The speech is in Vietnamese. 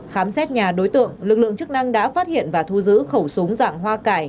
khám xét nhà đối tượng lực lượng chức năng đã phát hiện và thu giữ khẩu súng dạng hoa cải